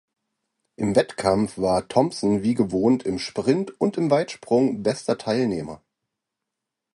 Im Wettkampf war Thompson wie gewohnt im Sprint und im Weitsprung bester Teilnehmer.